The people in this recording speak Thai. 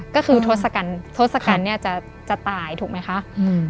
ก็คือทศกัณฐศกัณฐ์เนี่ยจะจะตายถูกไหมคะ